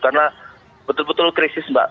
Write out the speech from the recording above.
karena betul betul krisis mbak